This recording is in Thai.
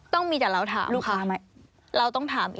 ต้องมีแต่เราถามลูกค้าไหมเราต้องถามอีก